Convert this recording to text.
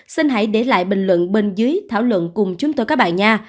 xin hãy để lại bình luận bên dưới thảo luận cùng chúng tôi các bài nha